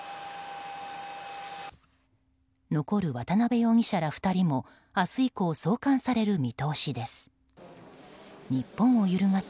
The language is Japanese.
残る渡辺容疑者ら２人も明日以降、送還される見通しです。